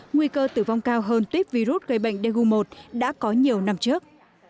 nguy cơ tử vong cao hơn tuyết virus gây bệnh daegu một đã có nhiều năm trước